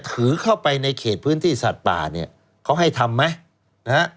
ถือเข้าไปในเขตพื้นที่สัตว์ป่าเนี่ยเขาให้ทำไหมนะฮะ